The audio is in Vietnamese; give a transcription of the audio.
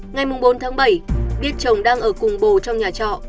ngày bốn tháng bảy biết chồng đang ở cùng bồ trong nhà trọ